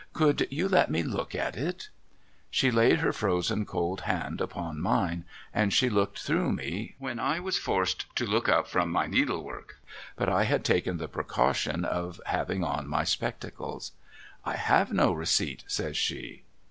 Could you let me look at it ?' She laid her frozen cold hand upon mine and she looked through me when I was forced to look up from my needlework, but I had taken the precaution of having on my spectacles. ' I have no receipt ' says she.